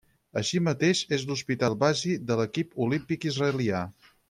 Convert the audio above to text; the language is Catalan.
Així mateix és l'hospital basi de l'equip olímpic israelià.